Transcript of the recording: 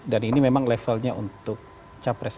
dan ini memang levelnya untuk capres